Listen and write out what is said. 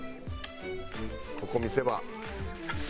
ここ見せ場。